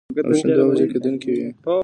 د ماسپښين دوه بجې کېدونکې وې.